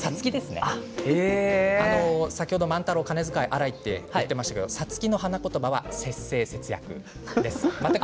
先ほど万太郎金遣いが荒いと言っていましたがサツキの花言葉は節制、節約です。